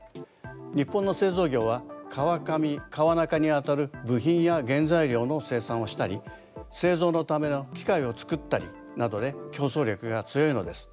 日本の製造業は川上川中にあたる部品や原材料の生産をしたり製造のための機械を作ったりなどで競争力が強いのです。